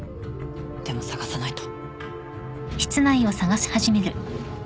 でも捜さないと